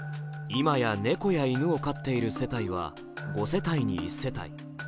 今や猫や犬を飼っている世帯は５世帯に１世帯。